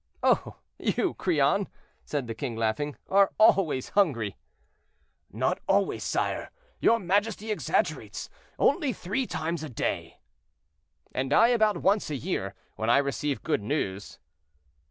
"Oh! you, Crillon," said the king, laughing, "are always hungry." "Not always, sire; your majesty exaggerates—only three times a day." "And I about once a year, when I receive good news."